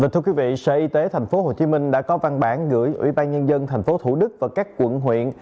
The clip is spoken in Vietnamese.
thưa quý vị sở y tế tp hcm đã có văn bản gửi ủy ban nhân dân tp thủ đức và các quận huyện